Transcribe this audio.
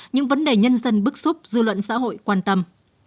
những vấn đề nhân dân bức xúc dư luận xã hội quan tâm